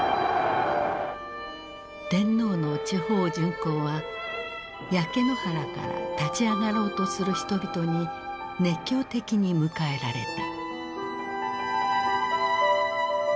天皇の地方巡幸は焼け野原から立ち上がろうとする人々に熱狂的に迎えられた。